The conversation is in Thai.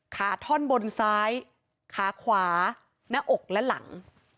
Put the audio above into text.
ท่อนบนซ้ายขาขวาหน้าอกและหลัง